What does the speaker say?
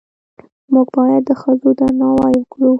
موږ باید د ښځو درناوی وکړو